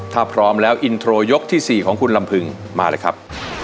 ถ้าพร้อมแล้วอินโทรยกที่๔ของคุณลำพึงมาเลยครับ